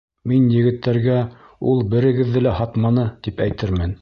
Мин егеттәргә, ул берегеҙҙе лә һатманы, тип әйтермен.